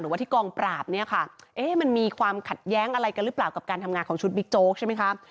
ว่าที่กองปราบเนี่ยค่ะเอ๊ะมันมีความขัดแย้งอะไรกันหรือเปล่ากับการทำงานของชุดบิ๊กโจ๊กใช่ไหมคะ